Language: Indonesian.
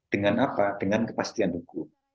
dengan apa dengan kepastian hukum